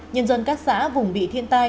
nhân dân các xã vùng bị thiên tai